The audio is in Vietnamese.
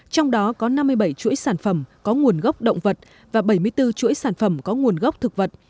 trong đó có năm mươi bảy chuỗi sản phẩm có nguồn gốc động vật và bảy mươi bốn chuỗi sản phẩm có nguồn gốc thực vật